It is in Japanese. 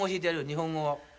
日本語を。